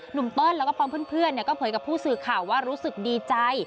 เติ้ลแล้วก็พร้อมเพื่อนก็เผยกับผู้สื่อข่าวว่ารู้สึกดีใจ